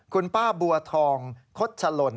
คุณป้าบัวทองคดฉลน